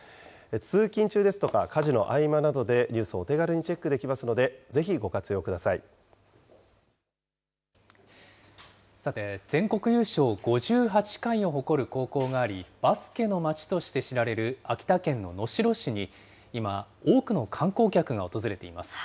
通勤中ですとか、家事の合間などでニュースをお手軽にチェックでさて、全国優勝５８回を誇る高校があり、バスケの街として知られる秋田県の能代市に、今、多くの観光客が訪れています。